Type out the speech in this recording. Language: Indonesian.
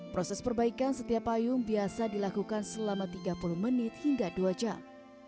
proses perbaikan setiap payung biasa dilakukan selama tiga puluh menit hingga dua jam